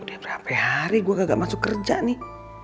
udah berapa hari gue gak masuk kerja nih